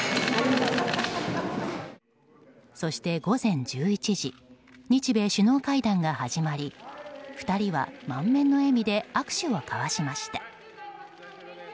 そして午前１１時日米首脳会談が始まり２人は満面の笑みで握手を交わしました。